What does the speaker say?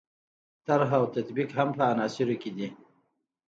طرح او تطبیق هم په عناصرو کې دي.